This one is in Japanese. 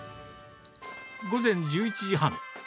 午前１１時半。